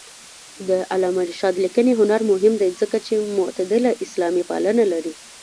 د علامه رشاد لیکنی هنر مهم دی ځکه چې معتدله اسلاميپالنه لري.